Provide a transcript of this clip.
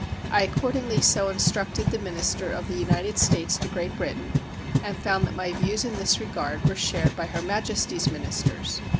I accordingly so instructed the minister of the United States to Great Britain, and found that my views in this regard were shared by Her Majesty's ministers.